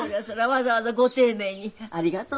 わざわざご丁寧にありがとうございます。